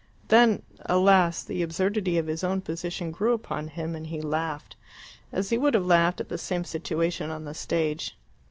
Then, alas! the absurdity of his own position grew upon him, and he laughed as he would have laughed at the same situation on the stage.